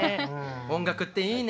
音楽っていいね。